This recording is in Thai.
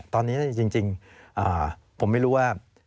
ตอนนี้จริงผมไม่รู้ว่า